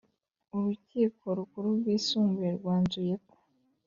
Urukiko rukuru rwisumbuye rwanzuyeko